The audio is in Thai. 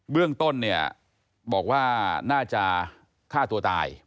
เรื่องต้นเนี่ยบอกว่าน่าจะฆ่าตัวตาย